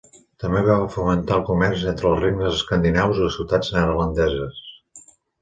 També va fomentar el comerç entre els regnes escandinaus i les ciutats neerlandeses.